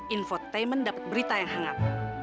infotainment dapat berita yang hangat